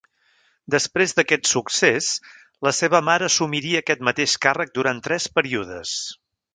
Després d'aquest succés la seva mare assumiria aquest mateix càrrec durant tres períodes.